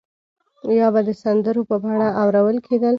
یا به د سندرو په بڼه اورول کېدل.